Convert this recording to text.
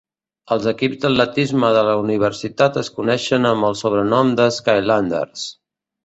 Els equips d'atletisme de la universitat es coneixen amb el sobrenom de "Skylanders".